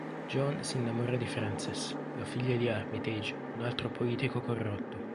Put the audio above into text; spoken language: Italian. John si innamora di Frances, la figlia di Armitage, un altro politico corrotto.